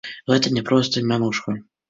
Гэта не проста мянушка.